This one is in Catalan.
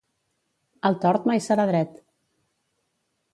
El tort mai serà dret.